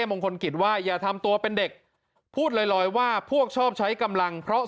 มงคลกิจว่าอย่าทำตัวเป็นเด็กพูดลอยว่าพวกชอบใช้กำลังเพราะ